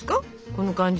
この感じ。